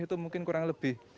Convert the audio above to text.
itu mungkin kurang lebih